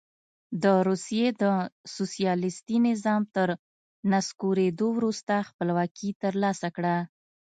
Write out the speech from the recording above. د روسیې د سوسیالیستي نظام تر نسکورېدو وروسته خپلواکي ترلاسه کړه.